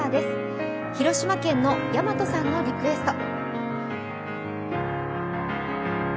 広島県のヤマトさんのリクエスト。